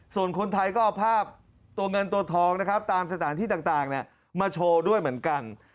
ส่วนคนไทยก็เอาภาพตัวเงินตัวทองนะครับตามสถานที่ต่างมาโชว์ด้วยเหมือนกัน